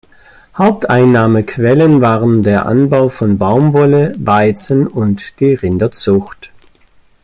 Haupteinnahmequellen waren der Anbau von Baumwolle, Weizen und die Rinderzucht.